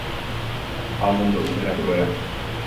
ha omombe'u herakuéra.